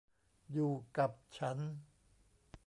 อยู่กับฉัน